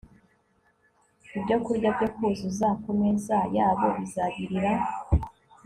ibyokurya byo kuzuza ku meza yabo bizagirira